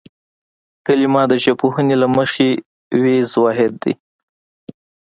کلمه د ژبپوهنې له مخې وییز واحد دی